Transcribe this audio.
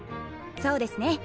そうですね。